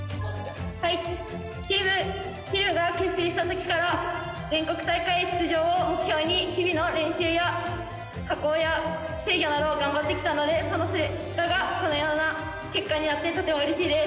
チームが結成した時から全国大会出場を目標に日々の練習や加工や制御などを頑張ってきたのでその成果がこのような結果になってとてもうれしいです！